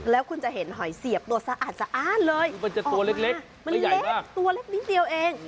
แล้วคุณจะเห็นหอยเสียบตัวสะอาดสะอ้านเลยมันจะตัวเล็กมันจะใหญ่มากตัวเล็กนิดเดียวเอง